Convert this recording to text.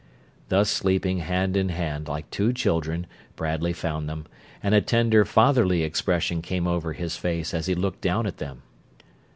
Thus sleeping hand in hand like two children Bradley found them, and a tender, fatherly expression came over his face as he looked down at them.